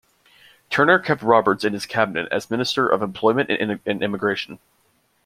Turner kept Roberts in his cabinet as Minister of Employment and Immigration.